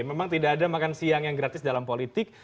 memang tidak ada makan siang yang gratis dalam politik